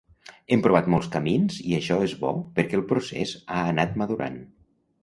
Hem provat molts camins i això és bo perquè el procés ha anat madurant.